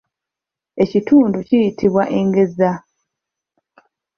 Ekitundu kiyitibwa engeza.